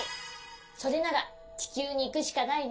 それならちきゅうにいくしかないね。